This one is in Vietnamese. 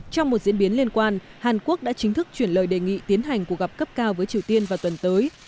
trong một diễn biến liên quan hàn quốc đã chính thức chuyển lời đề nghị tiến hành cuộc gặp cấp cao với triều tiên vào tuần tới